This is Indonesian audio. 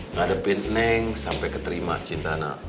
ngadepin neng sampai keterima cintanya